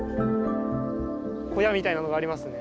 小屋みたいなのがありますね。